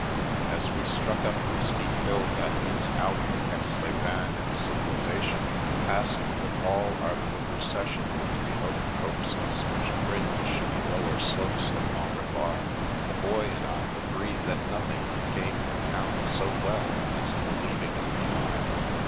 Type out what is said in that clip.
As we struck up the steep hill that leads out of Aix les Bains and civilisation, passing with all our little procession into the oak copses which fringe the lower slopes of Mont Revard, the Boy and I agreed that nothing became the town so well as the leaving it behind.